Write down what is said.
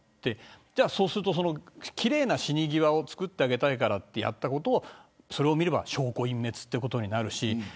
そうすると、奇麗な死に際をつくってあげたいからってやったことを見れば証拠隠滅ということになる。